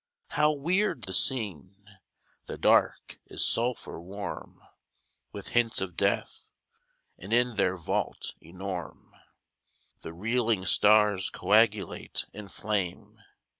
How weird the scene! The Dark is sulphur warm With hints of death; and in their vault enorme The reeling stars coagulate in flame.